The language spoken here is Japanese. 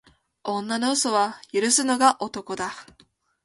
女の嘘は許すのが男だ